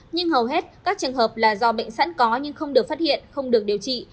nhưng hầu hết các trường hợp là do bệnh sẵn có nhưng không được phát hiện không được điều trị